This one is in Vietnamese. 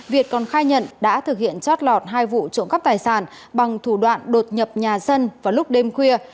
việt còn khai nhận đã thực hiện chót lọt hai vụ trộm cắp tài sản bằng thủ đoạn đột nhập nhà dân vào lúc đêm khuya